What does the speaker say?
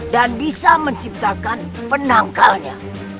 dan bisa menciptakan penangkalnya